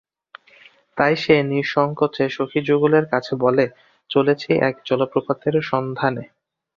তাই সে নিঃসংকোচে সখীযুগলের কাছে বলে, চলেছি এক জলপ্রপাতের সন্ধানে।